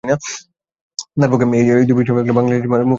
তাঁর পক্ষে এ দুই বিষয়ে বাংলাদেশি মানসিকতার মোকাবিলা করাটাও ছিল কঠিন।